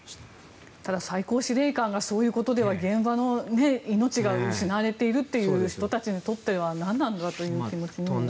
ただ、最高司令官がそういうことでは現場の命が失われているという人たちにとっては何なんだという気持ちになりますよね。